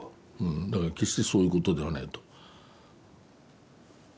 「だから決してそういうことではない」と。